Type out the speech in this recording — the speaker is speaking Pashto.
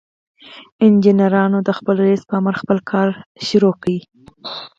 انجنيرانو د خپل رئيس په امر خپل کار پيل کړ.